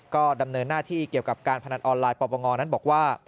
ก็ดำเนินหน้าที่เกี่ยวกับการพนันออนไลน์ปปงนั้นบอกว่า